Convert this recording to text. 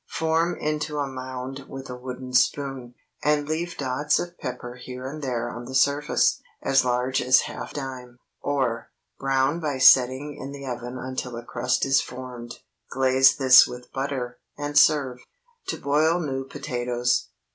Form into a mound with a wooden spoon, and leave dots of pepper here and there on the surface, as large as a half dime. Or, Brown by setting in the oven until a crust is formed. Glaze this with butter, and serve. TO BOIL NEW POTATOES.